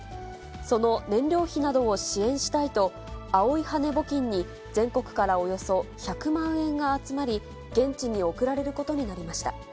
その燃料費などを支援したいと、青い羽根募金に、全国からおよそ１００万円が集まり、現地に送られることになりました。